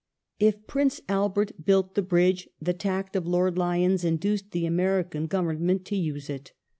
If Prince Albert built the bridge, the tact of Lord Lyons induced the American Government to use it.